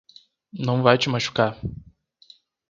Não vai te machucar.